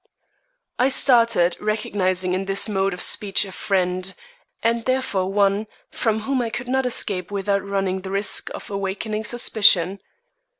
I started, recognizing in this mode of speech a friend, and therefore one from whom I could not escape without running the risk of awakening suspicion.